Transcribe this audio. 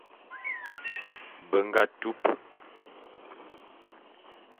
Be nga tup.